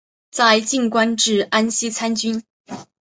在晋官至安西参军。